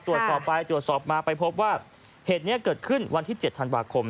ตรวจสอบไปตรวจสอบมาไปพบว่าเหตุนี้เกิดขึ้นวันที่๗ธันวาคม